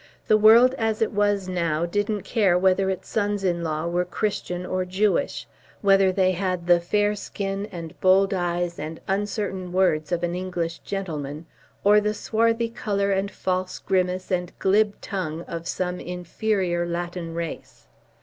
The world as it was now didn't care whether its sons in law were Christian or Jewish; whether they had the fair skin and bold eyes and uncertain words of an English gentleman, or the swarthy colour and false grimace and glib tongue of some inferior Latin race.